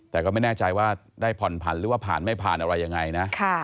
แต่ก็ไม่แน่ใจว่าได้ผ่อนผันหรือว่าผ่านไม่ผ่านอะไรยังไงนะ